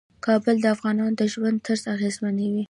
کابل د افغانانو د ژوند طرز اغېزمنوي.